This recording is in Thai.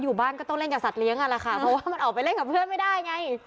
อยู่บ้านก็ต้องเล่นกับสัตเลี้ยนั่นแหละค่ะเพราะว่ามันออกไปเล่นกับเพื่อนไม่ได้ไง